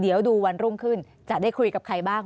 เดี๋ยวดูวันรุ่งขึ้นจะได้คุยกับใครบ้าง